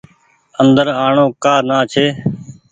اندر آڻو ڪآ نآ ڇي۔